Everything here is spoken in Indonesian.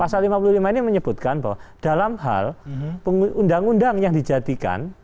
pasal lima puluh lima ini menyebutkan bahwa dalam hal undang undang yang dijadikan